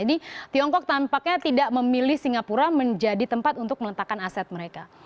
jadi tiongkok tampaknya tidak memilih singapura menjadi tempat untuk meletakkan aset mereka